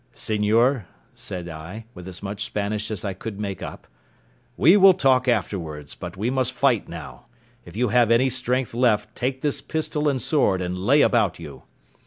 "Seignior," said I, with as much Spanish as I could make up, "we will talk afterwards, but we must fight now: if you have any strength left, take this pistol and sword, and lay about you."